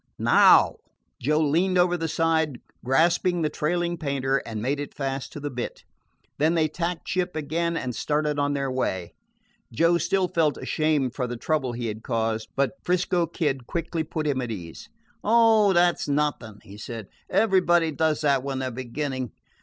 "Now!" Joe leaned over the side, grasped the trailing painter, and made it fast to the bitt. Then they tacked ship again and started on their way. Joe still felt ashamed for the trouble he had caused; but 'Frisco Kid quickly put him at ease. "Oh, that 's nothing," he said. "Everybody does that when they 're beginning.